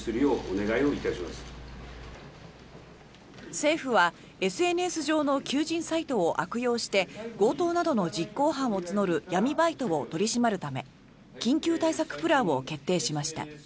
政府はＳＮＳ上の求人サイトを悪用して強盗などの実行犯を募る闇バイトを取り締まるため緊急対策プランを決定しました。